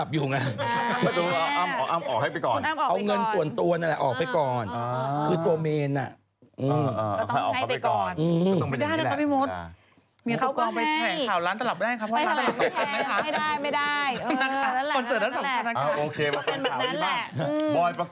อ้าวเอาเงินส่วนตัวให้ถามซะสิ